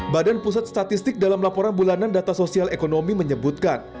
badan pusat statistik dalam laporan bulanan data sosial ekonomi menyebutkan